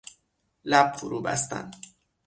لب فروبستن